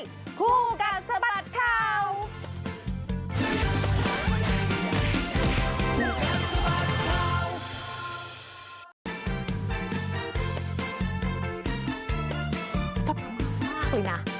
น่ามากเลยนะ